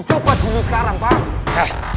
coba dulu sekarang pak